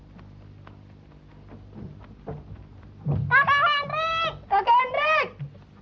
kau akan menang